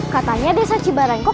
katanya desa cibarenggok